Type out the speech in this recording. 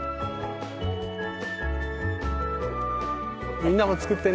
みんなも作ってね。